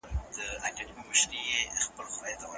حکومت د عامه نظم ساتونکی دی.